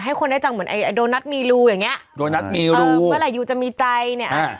ให้คนได้จังเหมือนไอโดนัทมีรูอย่างเงี้ยโดนัทมีรูเออเวลาอู๋จะมีใจเนี้ยอ่า